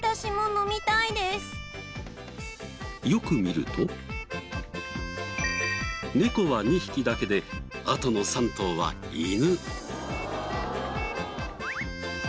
よく見ると猫は２匹だけであとの３頭は犬。